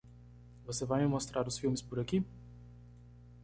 Você vai me mostrar os filmes por aqui?